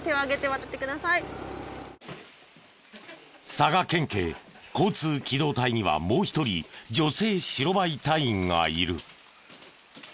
佐賀県警交通機動隊にはもう一人女性白バイ隊員がいる。